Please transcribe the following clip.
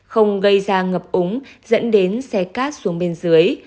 không gây ra ngập úng dẫn đến xe cát xuống bên dưới